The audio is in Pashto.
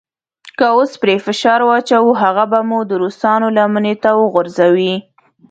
که اوس پرې فشار واچوو هغه به مو د روسانو لمنې ته وغورځوي.